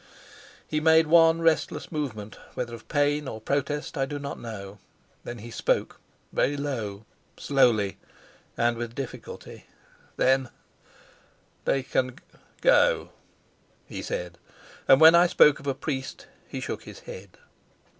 He made one restless movement, whether of pain or protest I do not know. Then he spoke, very low, slowly, and with difficulty. "Then they can go," he said; and when I spoke of a priest he shook his head.